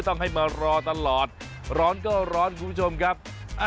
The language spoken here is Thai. ต้องให้มารอตลอดร้อนก็ร้อนคุณผู้ชมครับ